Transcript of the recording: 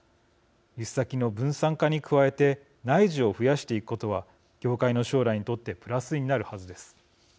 輸出先の分散化に加えて内需を増やしていくことは業界の将来にとってプラスになるはずです。